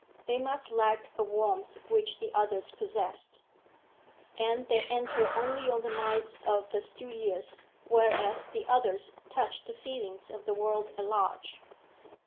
They must lack a warmth which the others possess; and they enter only on the minds of the studious, whereas the others touch the feelings of the world at large.